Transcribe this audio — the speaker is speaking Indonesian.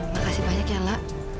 makasih banyak ya la